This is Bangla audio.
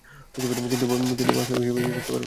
কিন্তু বাস্তবে বেচেঁ থাকত না।